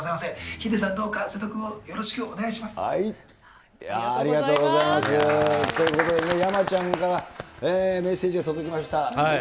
ヒデさん、どうか瀬戸君をよろしありがとうございます。ということで、山ちゃんからメッセージが届きました。